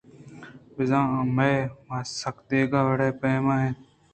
بزاں آ میئے ما سک دگہ وڑءُ پیما اِنت